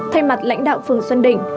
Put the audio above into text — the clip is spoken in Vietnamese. thay mặt lãnh đạo phường xuân đình